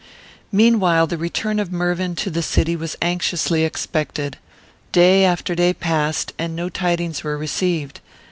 Meanwhile the return of Mervyn to the city was anxiously expected. Day after day passed, and no tidings were received.